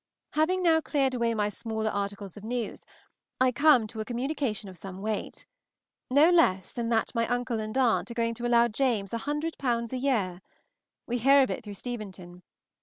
Having now cleared away my smaller articles of news, I come to a communication of some weight; no less than that my uncle and aunt are going to allow James 100_l._ a year. We hear of it through Steventon.